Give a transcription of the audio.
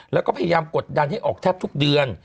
แล้วก็พยายามกดดันให้ออกแทบทุกเดือน